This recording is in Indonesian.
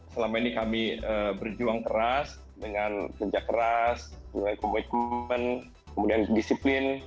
selama ini kami berjuang keras dengan kerja keras dengan komitmen kemudian disiplin